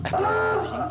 eh pepes jengko